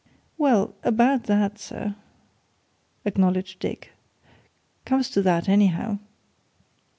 "Well about that, sir," acknowledged Dick. "Comes to that, anyhow."